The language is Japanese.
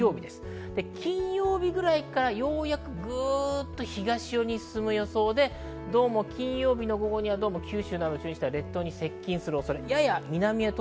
金曜日ぐらいからようやく東寄りに進む予想で、どうも金曜日の午後には九州などに接近する予想です。